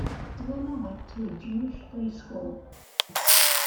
Dermer went to a Jewish day school.